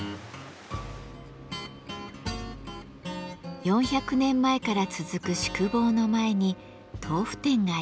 ４００年前から続く宿坊の前に豆腐店があります。